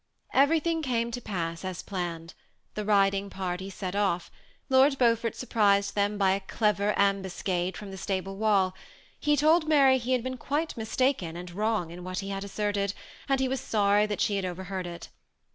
Everything came to pass as planned. The riding party set off. Lord Beaufort surprised them by a clever ambuscade from the stable wall ; he told Mary he had been quite mistaken and wrong in what he had asserted, and was sorry that she had overheard it.